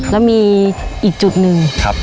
แล้วมีอีกจุดหนึ่ง